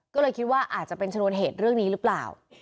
ก็เลยคิดว่าอาจจะเป็นชนวนเหตุเรื่องนี้หรือเปล่า